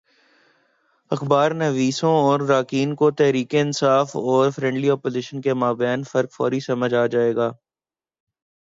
اخبارنویسوں اور قارئین کو تحریک انصاف اور فرینڈلی اپوزیشن کے مابین فرق فوری سمجھ آ جائے گا۔